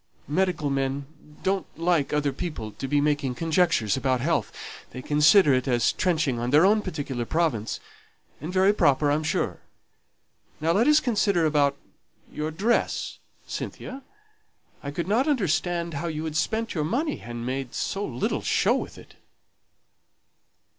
Medical men don't like other people to be making conjectures about health; they consider it as trenching on their own particular province, and very proper, I'm sure. Now let us consider about your dress, Cynthia; I could not understand how you had spent your money, and made so little show with it."